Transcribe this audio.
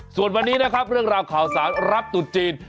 ส่วนวันนี้นะครับเรื่องราวข่าวสารรับตุดจีน